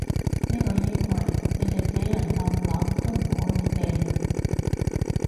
呢個衣櫃，你哋死人冧樓都唔可以掟